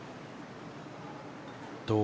どう？